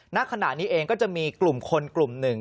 ณขณะนี้เองก็จะมีกลุ่มคนกลุ่มหนึ่ง